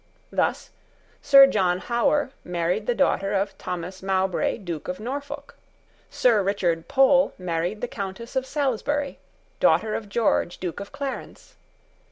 Thus, Sir John Howard married the daughter of Thomas Mowbray Duke of Norfolk. Sir Richard Pole married the Countess of Salisbury, daughter of George, Duke of Clarence.